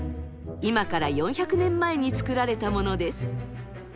今から４００年前に作られたものです。